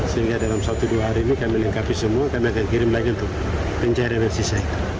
sehingga dalam satu dua hari ini kami lengkapi semua kami akan kirim lagi untuk pencarian yang sisa